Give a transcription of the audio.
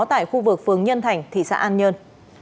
tại khu vực phường nhân thành thị xã an nhơn